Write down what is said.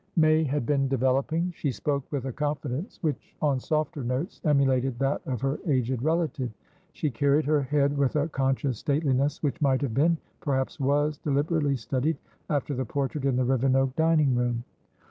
May had been developing. She spoke with a confidence which, on softer notes, emulated that of her aged relative; she carried her head with a conscious stateliness which might have beenperhaps wasdeliberately studied after the portrait in the Rivenoak dining room.